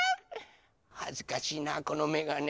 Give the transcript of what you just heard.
はずかしいなこのめがね。